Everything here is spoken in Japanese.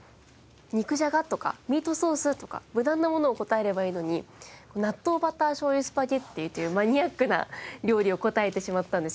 肉じゃがとかミートソースとか無難なものを答えればいいのに。というマニアックな料理を答えてしまったんです。